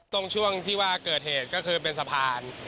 ตรงช่วงที่ก็เกิดเหตุคือเป็นสะพาน